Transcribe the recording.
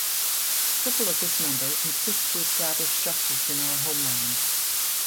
Triple of this number insists to establish justice in our homeland.